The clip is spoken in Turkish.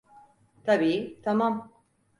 Tabii, tamam.